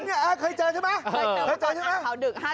ผมเคยมีประสบการณ์